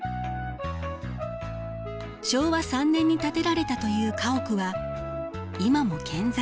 昭和３年に建てられたという家屋は今も健在。